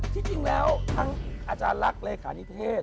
ที่จริงแล้วทั้งอาจารย์ลักษณ์เลขานิเทศ